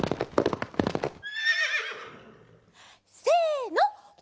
せの！